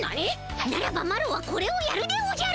ならばマロはこれをやるでおじゃる。